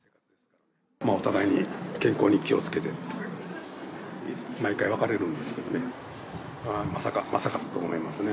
まあ、お互いに健康に気をつけてって、毎回、別れるんですけどね、まさか、まさかって思いますね。